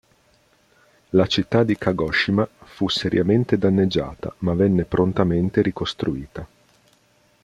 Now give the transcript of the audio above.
La città di Kagoshima fu seriamente danneggiata, ma venne prontamente ricostruita.